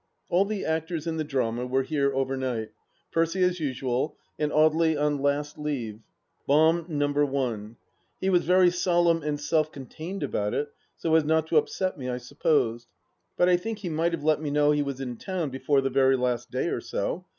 ... All the actors in the drama were here overnight. Percy as usual, and Audely, on last leave. Bomb No. one. He was very solemn and self contained about it, so as not to upset me, I supposed; but I think he might have let me know he was in town before the very last day or so.